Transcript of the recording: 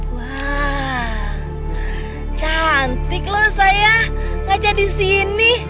wah cantik loh sayang ngajak di sini